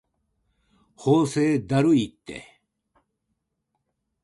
法政だるいて